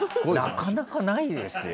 なかなかないですよ。